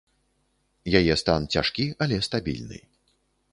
Яе стан цяжкі, але стабільны.